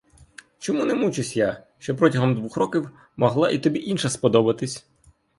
Чому не мучусь я, що протягом двох років могла б і тобі інша сподобатись?